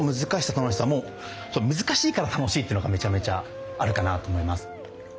楽しさもう難しいから楽しいっていうのがめちゃめちゃあるかなと思います。